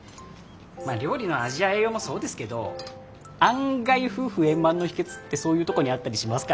まあ料理の味や栄養もそうですけど案外夫婦円満の秘けつってそういうとこにあったりしますからね。